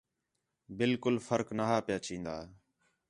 بالکل فرق نہا پِیا چین٘دا